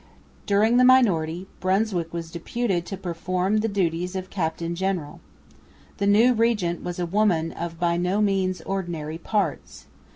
During the minority Brunswick was deputed to perform the duties of captain general. The new regent was a woman of by no means ordinary parts.